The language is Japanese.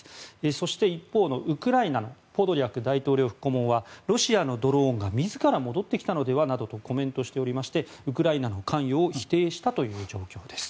そして一方のウクライナのポドリャク大統領府顧問はロシアのドローンが自ら戻ってきたのではなどとコメントしておりましてウクライナの関与を否定したという状況です。